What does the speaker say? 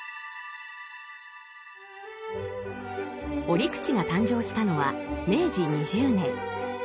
折口が誕生したのは明治２０年。